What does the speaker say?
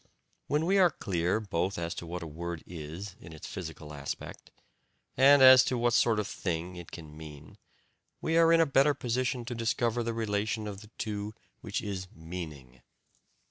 When we are clear both as to what a word is in its physical aspect, and as to what sort of thing it can mean, we are in a better position to discover the relation of the two which is meaning.